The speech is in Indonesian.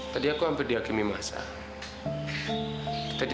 tadi aku hampir dihakimi masa